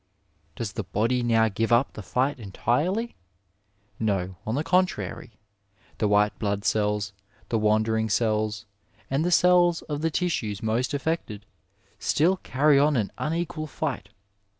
Does the body now give up the fight entirely ? No ; on the contrary, the white blood cells, the wandering cells, and the cells of the tissues most affected still carry on an unequal %ht.